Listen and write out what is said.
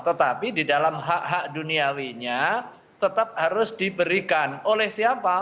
tetapi di dalam hak hak duniawinya tetap harus diberikan oleh siapa